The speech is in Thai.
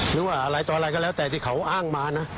หรือว่าอะไรต่ออะไรก็แล้วแต่ที่เขาอ้างมานะ